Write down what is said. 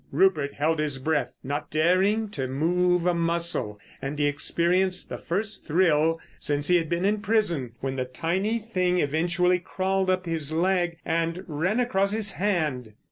Rupert held his breath, not daring to move a muscle, and he experienced the first thrill since he had been in prison when the tiny thing eventually crawled up his leg and ran across his hand!